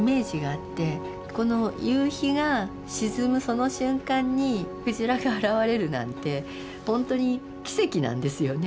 この夕日が沈むその瞬間にクジラが現れるなんてほんとに奇跡なんですよね。